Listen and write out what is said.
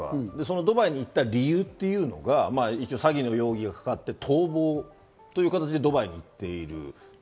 ドバイに行った理由というのが、詐欺の容疑がかかって逃亡という形でドバイに行っている。